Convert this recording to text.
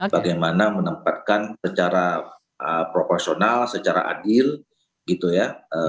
bagaimana menempatkan secara proporsional secara adil gitu ya